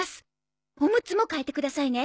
おむつも替えてくださいね。